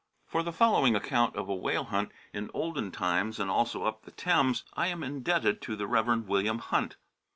For the following account of a whale hunt in olden times, and also up the Thames, I am indebted to the Rev. William Hunt.